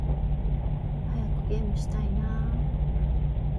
早くゲームしたいな〜〜〜